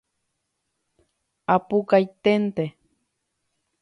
Apukaiténte.